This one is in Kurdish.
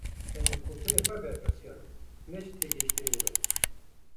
Ez ji gotinên xwe berpirsyar im, ne ji têgihiştinên we.